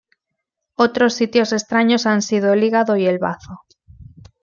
Otros sitios extraños han sido el hígado y el bazo.